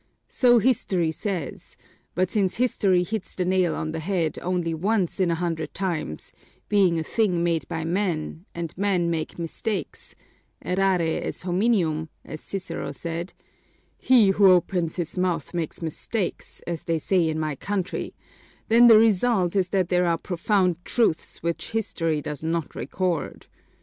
So History says, but since History hits the nail on the head only once in a hundred times, being a thing made by men, and men make mistakes errarle es hominum, as Cicero said he who opens his mouth makes mistakes, as they say in my country then the result is that there are profound truths which History does not record.